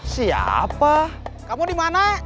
siapa kamu di mana